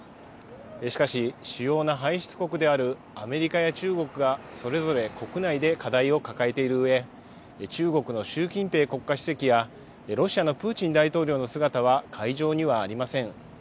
しかし、主要な排出国であるアメリカや中国がそれぞれ国内で課題を抱えているうえ、中国の習近平国家主席やロシアのプーチン大統領の姿は会場にはありません。